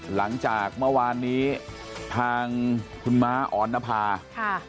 หลังจากเมื่อวานนี้ทางคุณม้าออนนภาค่ะ